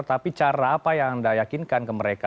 tapi cara apa yang anda yakinkan ke mereka